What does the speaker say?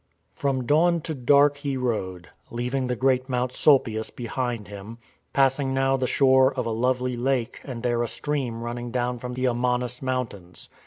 From dawn to dark he rode, leaving the great Mount Sulpius behind him, passing now the shore of a lovely lake and there a stream running down from the Amanus mountains.